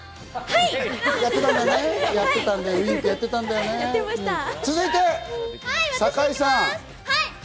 はい！